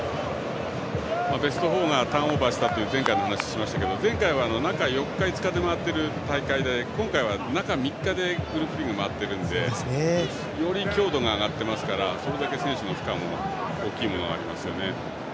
ベスト４がターンオーバーしたという前回の話をしましたが前回は中４日、５日で回っている大会で今回は中３日でグループリーグが回っているのでより強度が上がっているのでそれだけ選手の負荷も大きいものはありますね。